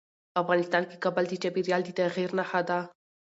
افغانستان کې کابل د چاپېریال د تغیر نښه ده.